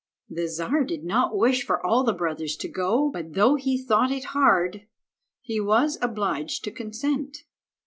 The Czar did not wish for all the brothers to go, but though he thought it hard, he was obliged to consent.